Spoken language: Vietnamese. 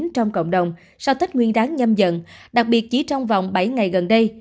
trong cộng đồng sau tết nguyên đáng nhâm dần đặc biệt chỉ trong vòng bảy ngày gần đây